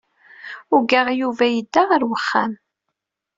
Ugaɣ Yuba yedda ɣer wexxam.